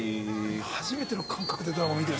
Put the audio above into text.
今初めての感覚でドラマ見て。